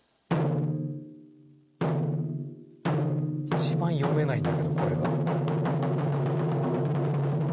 一番読めないんだけどこれが。